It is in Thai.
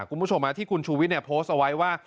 คุณผู้ชมที่คุณชูวิทย์โพสต์เอาไว้ว่า